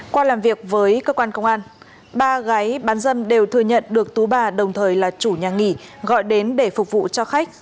qua làm việc với cơ quan công an ba gái bán dâm đều thừa nhận được tú bà đồng thời là chủ nhà nghỉ gọi đến để phục vụ cho khách